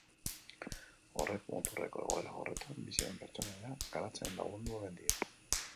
Horrek muturreko egoera horretan bizi den pertsonaia garatzen lagundu omen dio.